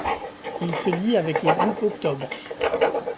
Il se lie avec le groupe Octobre.